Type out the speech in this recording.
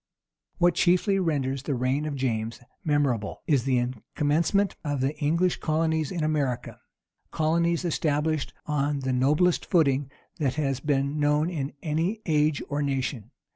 What chiefly renders the reign of James memorable, is the commencement of the English colonies in America; colonies established on the noblest footing that has been known in any age or nation.